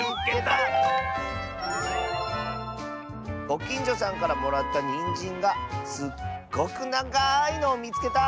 「ごきんじょさんからもらったにんじんがすっごくながいのをみつけた！」。